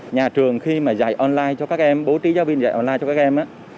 nhà trường khi mà dạy online cho các em bố trí giáo viên dạy online cho các em